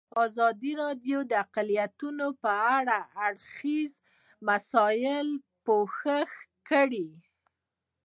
ازادي راډیو د اقلیتونه په اړه د هر اړخیزو مسایلو پوښښ کړی.